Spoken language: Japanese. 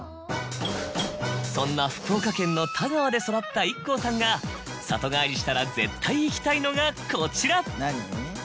そんな福岡県の田川で育ったＩＫＫＯさんが里帰りしたら絶対行きたいのがこちら。